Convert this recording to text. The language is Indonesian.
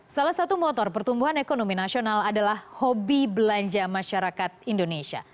salah satu motor pertumbuhan ekonomi nasional adalah hobi belanja masyarakat indonesia